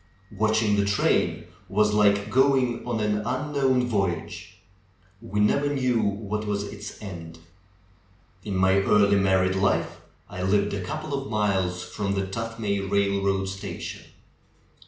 Watching the train was like go ing on an unknown voyage — we never knew what was its end. In my early married life I lived a couple of miles from the Tuthmay railroad station.